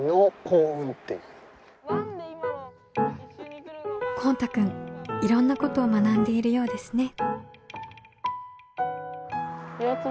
こうたくんいろんなことを学んでいるようですね。